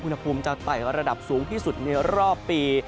อุณหภูมิจะไต่ระดับสูงที่สุดในรอบปี